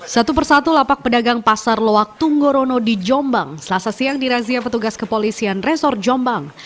satu persatu lapak pedagang pasar loak tunggorono di jombang selasa siang dirazia petugas kepolisian resor jombang